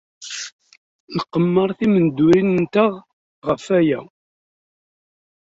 Nqemmer timeddurin-nteɣ ɣef waya.